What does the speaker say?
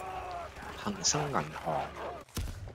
恒生銀行